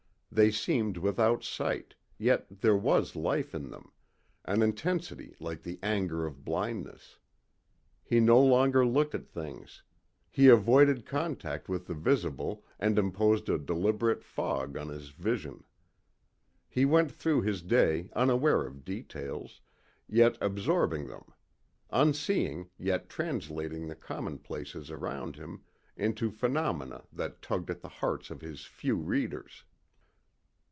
They seemed without sight, yet there was life in them an intensity like the anger of blindness. He no longer looked at things. He avoided contact with the visible and imposed a deliberate fog on his vision. He went through his day unaware of details, yet absorbing them; unseeing, yet translating the commonplaces around him into phenomena that tugged at the hearts of his few readers.